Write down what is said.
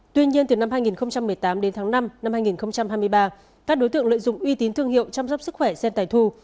tuy nhiên từ năm hai nghìn một mươi tám đến tháng năm năm hai nghìn hai mươi ba các đối tượng lợi dụng uy tín thương hiệu chăm sóc sức khỏe sen tài thu